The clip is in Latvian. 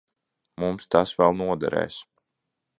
Mums tas vēl noderēs.